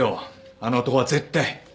あの男は絶対。